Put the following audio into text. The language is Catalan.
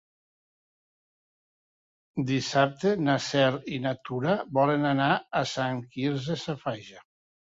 Dissabte na Cel i na Tura volen anar a Sant Quirze Safaja.